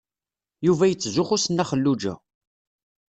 Yuba yettzuxxu s Nna Xelluǧa.